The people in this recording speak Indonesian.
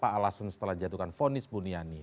dan kemudian dikasih alasan setelah jatuhkan fonis buniani